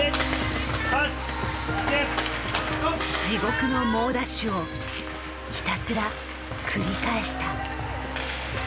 地獄の猛ダッシュをひたすら繰り返した。